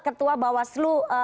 ketua bawaslu surabaya